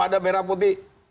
ada merah putih